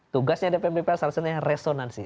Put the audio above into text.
tugasnya dpppr seharusnya resonansi